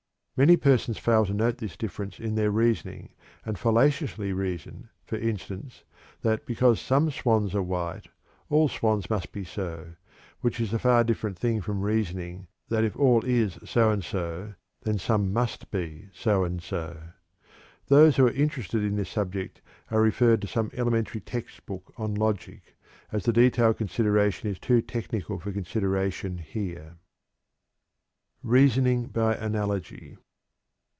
Many persons fail to note this difference in their reasoning, and fallaciously reason, for instance, that because some swans are white, all swans must be so, which is a far different thing from reasoning that if all is so and so, then some must be so and so. Those who are interested in this subject are referred to some elementary text book on logic, as the detailed consideration is too technical for consideration here. REASONING BY ANALOGY.